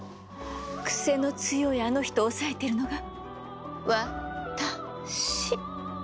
クセの強いあの人を抑えているのがわ・た・し。